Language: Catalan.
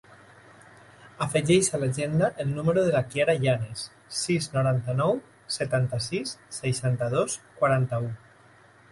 Afegeix a l'agenda el número de la Kiara Llanes: sis, noranta-nou, setanta-sis, seixanta-dos, quaranta-u.